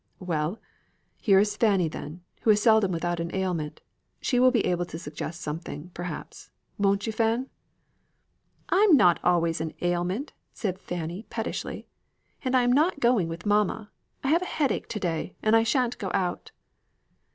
"Well! here is Fanny then, who is seldom without an ailment. She will be able to suggest something, perhaps won't you, Fan?" "I have not always an ailment," said Fanny, pettishly; "and I am not going with mamma. I have a headache to day, and I shan't go out."